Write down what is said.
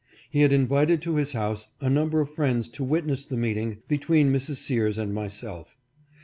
He had invited to his house a number of friends to wit ness the meeting between Mrs. Sears and myself.